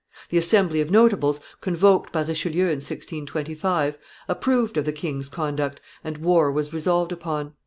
The Assembly of Notables, convoked by Richelieu in 1625, approved of the king's conduct, and war was resolved upon.